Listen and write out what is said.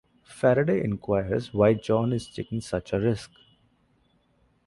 Faraday inquires why John is taking such a risk.